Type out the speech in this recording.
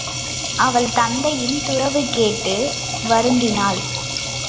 அவள் தந்தையின் துறவு கேட்டு வருந்தினாள்.